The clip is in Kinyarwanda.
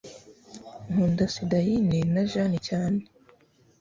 nkunda sedaine na jeanne cyane